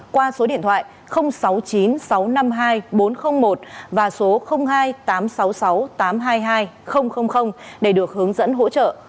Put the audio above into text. qua số điện thoại sáu mươi chín sáu trăm năm mươi hai bốn trăm linh một và số hai tám trăm sáu mươi sáu tám trăm hai mươi hai để được hướng dẫn hỗ trợ